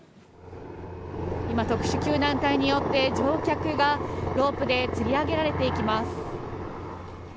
今、特殊救難隊によって、乗客がロープでつり上げられていきます。